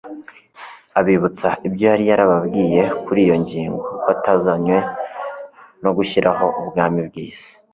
Abibutsa ibyo yari yarababwiye kuri iyo ngingo ko atazanywe no gushyiraho ubwami bw'isi,